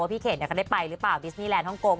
ว่าพี่เขนเดี๋ยวก็ได้ไปหรือเปล่าดิสนีแลนด์ฮ่องกง